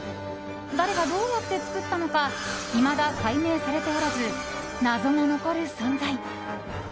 誰がどうやって作ったのかいまだ解明されておらず謎が残る存在。